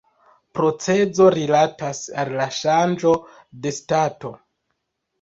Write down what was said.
Procezo rilatas al la ŝanĝo de stato.